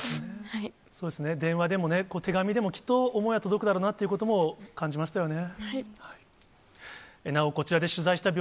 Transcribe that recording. そうですね、電話でもね、手紙でもきっと思いは続くんだろうなということを感じましたよね。